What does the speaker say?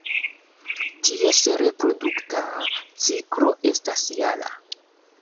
Ties reprodukta ciklo estas jara.